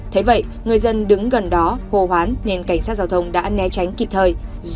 thế vậy người dân đứng gần đó hô hoán nên cảnh sát giao thông đã né tránh kịp thời